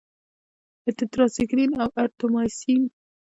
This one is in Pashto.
لکه ټیټرایسایکلین او اریترومایسین.